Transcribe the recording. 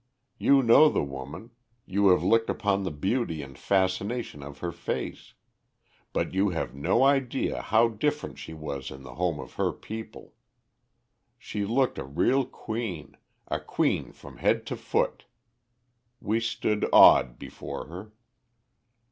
You know the woman, you have looked upon the beauty and fascination of her face; but you have no idea how different she was in the home of her people. She looked a real queen, a queen from head to foot. We stood awed before her.